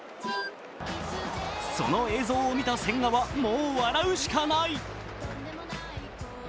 その映像を見た千賀はもう笑うしかない。